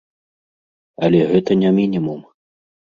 Але гэта не мінімум.